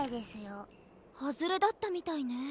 ハズレだったみたいね。